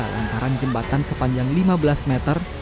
lantaran jembatan sepanjang lima belas meter